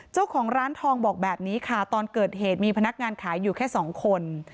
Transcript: เจ้าของร้านทองบอกแบบนี้ค่ะตอนเกิดเหตุมีพนักงานขายอยู่แค่สองคน